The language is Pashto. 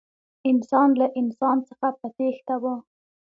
انسان له انسان څخه په تېښته و.